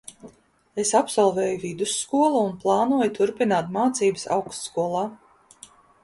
Es absolvēju vidusskolu un plānoju turpināt mācības augstskolā.